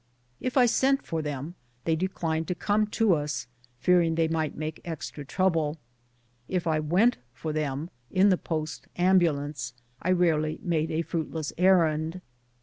If I sent for them they declined to come to us, fearing they might make extra trouble ; if I went for them in 186 BOOTS AND SADDLES. the post ambulance, I rarely made a fruitless errand.